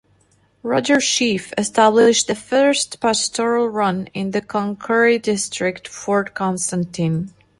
Roger Sheaffe established the first pastoral run in the Cloncurry district - "Fort Constantine".